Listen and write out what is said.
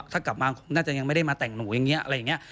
ถ้ากลับมาน่าจะยังไม่ได้มาแต่งหนูอย่างนี้อะไรอย่างนี้